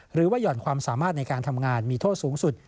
หย่อนความสามารถในการทำงานมีโทษสูงสุด